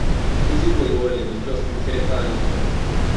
ფიზიკური მოვლენების დროს ნივთიერება არიცვლება